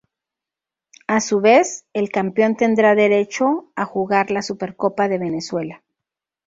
A su vez, el campeón tendrá derecho a jugar la Supercopa de Venezuela.